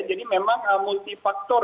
jadi memang multifaktor